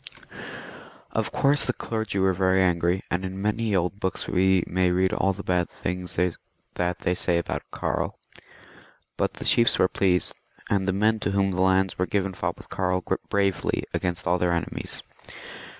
Of course the clergy were very angry, and in many old books we may read all the bad things that they say of Karl ; but the chiefs were pleased, and the men to whom the lands were given fought with Karl bravely against all their enemies.